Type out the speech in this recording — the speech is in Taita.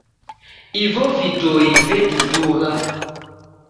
Ivo vidoi vedudugha.